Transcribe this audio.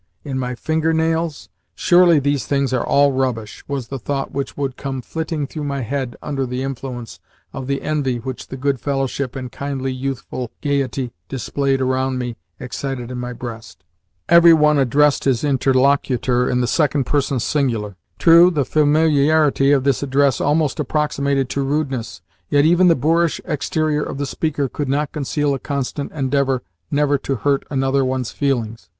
In my finger nails? "Surely these things are all rubbish," was the thought which would come flitting through my head under the influence of the envy which the good fellowship and kindly, youthful gaiety displayed around me excited in my breast. Every one addressed his interlocutor in the second person singular. True, the familiarity of this address almost approximated to rudeness, yet even the boorish exterior of the speaker could not conceal a constant endeavour never to hurt another one's feelings.